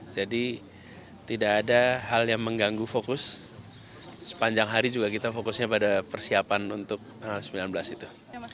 jadi tidak ada hal yang mengganggu fokus sepanjang hari juga kita fokusnya pada persiapan untuk tanggal sembilan belas itu